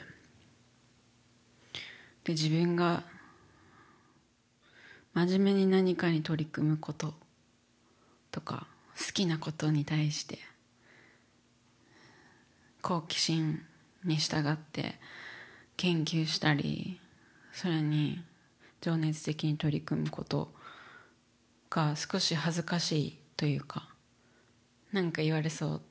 自分が真面目に何かに取り組むこととか好きなことに対して好奇心に従って研究したりそれに情熱的に取り組むことが少し恥ずかしいというか何か言われそう。